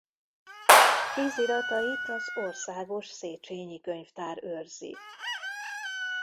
Kéziratait az Országos Széchényi Könyvtár őrzi.